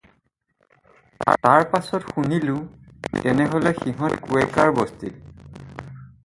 তাৰ পাছত শুনিলোঁ, তেনেহ'লে সিহঁত কুয়েকাৰ বস্তিত।